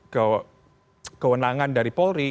atau kewenangan dari polri